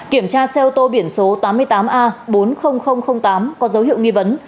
kiểm tra xe ô tô biển số tám mươi tám a bốn mươi nghìn tám có dấu hiệu nghi vấn